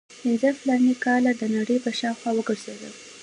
پنځه فلاني کاله د نړۍ په شاوخوا وګرځېدم.